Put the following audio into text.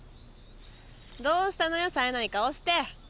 どうしたのよさえない顔して。